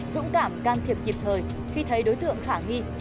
dũng cảm can thiệp kịp thời khi thấy đối tượng khả nghi